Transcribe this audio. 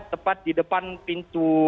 tepat di depan pintu